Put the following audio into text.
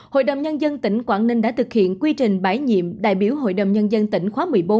hội đồng nhân dân tỉnh quảng ninh đã thực hiện quy trình bãi nhiệm đại biểu hội đồng nhân dân tỉnh khóa một mươi bốn